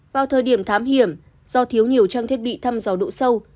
vào thời điểm thám hiểm do thiếu nhiều trang thiết bị thăm dò độ sâu